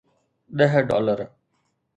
ڏهه ڊالر.